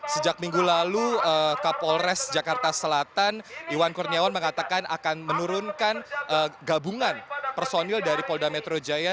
sejak minggu lalu kapolres jakarta selatan iwan kurniawan mengatakan akan menurunkan gabungan personil dari polda metro jaya